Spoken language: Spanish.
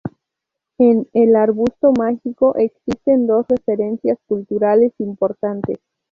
En "El arbusto mágico" existen dos referencias culturales importantes.